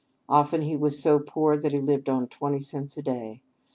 Often he was so poor that he lived on twenty cents a day.